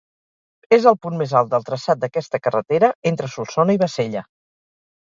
És el punt més alt del traçat d'aquesta carretera entre Solsona i Bassella.